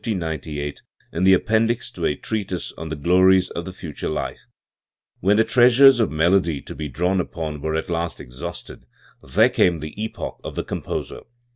Both songs appear for the first time in 1598 in the appendix to a treatise on the glories of the future life. When the treasures of melody to be drawn upon were at last exhausted, there carne the epoch of the composer.